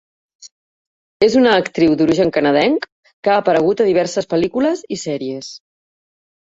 És una actriu d'origen canadenc que ha aparegut a diverses pel·lícules i sèries.